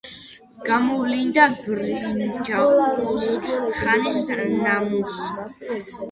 გამოვლინდა ბრინჯაოს ხანის ნამოსახლარი.